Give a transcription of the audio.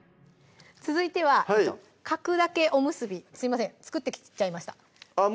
続いては描くだけおむすびすいません作ってきちゃいましたあっ